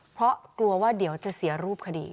เพราะกลัวว่าเดี๋ยวจะเสียรูปคดี